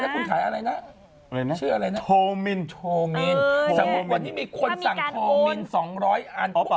เพราะใช่ไง